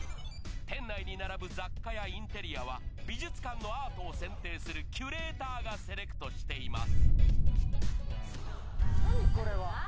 店内に並ぶ雑貨やインテリアは美術館のアートを選定するキュレーターがセレクトしています。